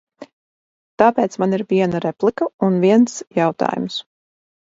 Tāpēc man ir viena replika un viens jautājums.